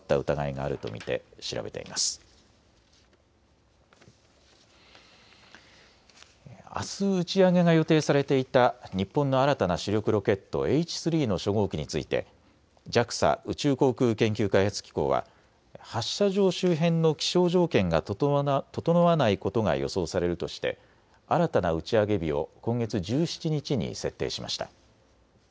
あす打ち上げが予定されていた日本の新たな主力ロケット、Ｈ３の初号機についてＪＡＸＡ・宇宙航空研究開発機構は発射場周辺の気象条件が整わないことが予想されるとして新たな打ち上げ日を今月１７日に設定しました。